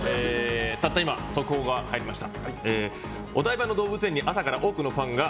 たった今、速報が入りました。